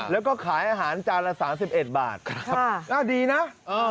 แล้วก็ขายอาหารจานละสามสิบเอ็ดบาทครับหน้าดีนะ